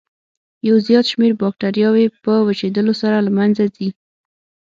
یو زیات شمېر باکتریاوې په وچېدلو سره له منځه ځي.